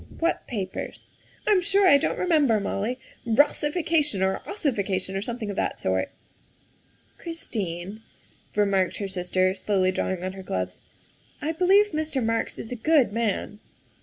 What papers?" "I'm sure I don't remember, Molly. Rossification or ossification or something of that sort." " Christine," remarked her sister, slowly drawing on her gloves, '' I believe Mr. Marks is a good man.